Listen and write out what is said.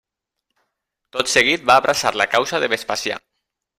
Tot seguit va abraçar la causa de Vespasià.